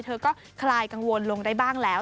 เธอก็คลายกังวลลงได้บ้างแล้ว